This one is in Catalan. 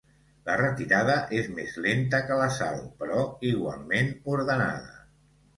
La retirada és més lenta que l'assalt, però igualment ordenada.